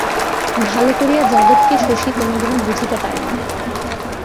ভালো করিয়া যাদবকে শশী কোনোদিন বুঝিতে পারে না।